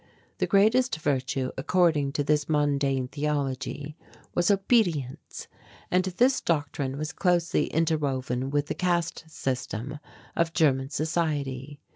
The greatest virtue, according to this mundane theology, was obedience, and this doctrine was closely interwoven with the caste system of German society.